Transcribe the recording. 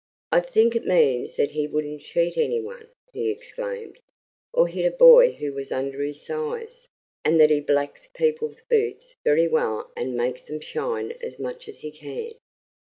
"I think it means that he wouldn't cheat any one," he exclaimed; "or hit a boy who was under his size, and that he blacks people's boots very well and makes them shine as much as he can.